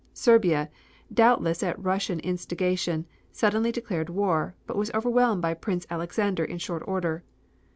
Serbia, doubtless at Russian instigation, suddenly declared war, but was overwhelmed by Prince Alexander in short order.